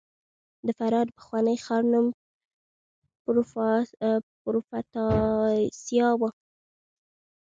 د فراه د پخواني ښار نوم پروفتاسیا و